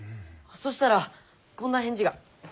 そしたらこんな返事が。